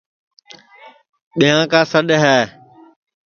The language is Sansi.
ٻیاں کا سڈؔ ہے